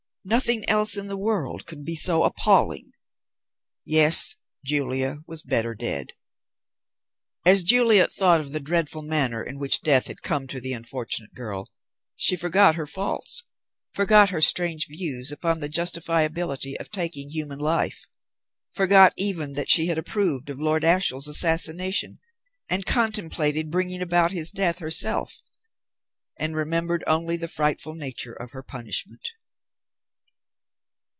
Nothing else in the world could be so appalling. Yes, Julia was better dead. As Juliet thought of the dreadful manner in which death had come to the unfortunate girl, she forgot her faults, forgot her strange views upon the justifiability of taking human life, forgot even that she had approved of Lord Ashiel's assassination and contemplated bringing about his death herself, and remembered only the frightful nature of her punishment.